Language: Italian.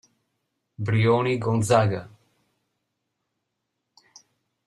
Brioni Gonzaga.